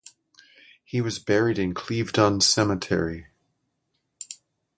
He is buried in Clevedon cemetery.